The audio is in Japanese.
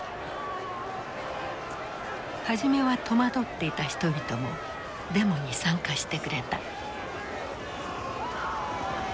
初めは戸惑っていた人々もデモに参加してくれた。